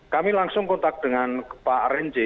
kami langsung kontak dengan pak renji